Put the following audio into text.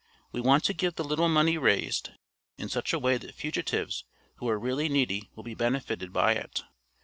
We want to give the little money raised, in such a way that fugitives who are really needy will be benefited by it.